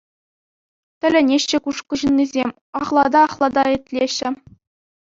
Тӗлӗнеҫҫӗ Кушкӑ ҫыннисем, ахлата-ахлата итлеҫҫӗ.